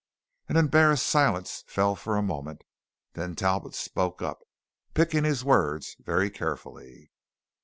An embarrassed silence fell for a moment; then Talbot spoke up, picking his words very carefully.